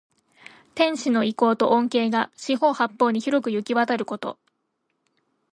天子の威光と恩恵が四方八方に広くゆきわたること。